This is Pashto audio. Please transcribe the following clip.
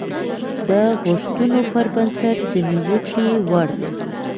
د غوښتنو پر بنسټ د نيوکې وړ دي.